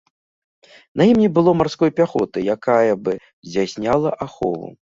На ім не было марской пяхоты, якая бы здзяйсняла ахову.